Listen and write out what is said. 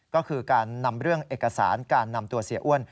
ก็คือการนำเรื่องเอกสารการนำตัวเสียอ้วน